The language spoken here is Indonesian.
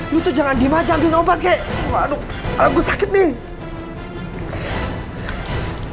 lu jangan di maja ngobat kayak waduh aku sakit nih